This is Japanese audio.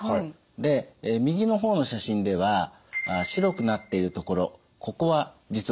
で右の方の写真では白くなっているところここは実はがんです。